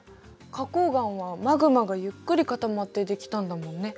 花こう岩はマグマがゆっくり固まってできたんだもんね。